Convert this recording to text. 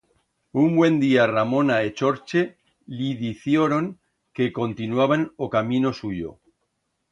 Un buen día Ramona e Chorche li dicioron que continuaban o camino suyo.